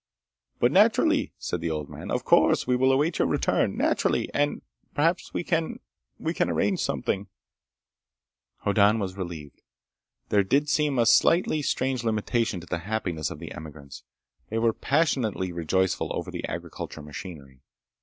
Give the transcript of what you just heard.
"But naturally," said the old man. "Of course. We will await your return. Naturally! And ... perhaps we can ... we can arrange something—" Hoddan was relieved. There did seem a slightly strange limitation to the happiness of the emigrants. They were passionately rejoiceful over the agricultural machinery.